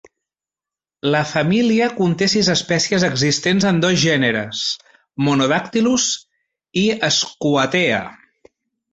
La família conté sis espècies existents en dos gèneres, "Monodactylus" i "Schuettea".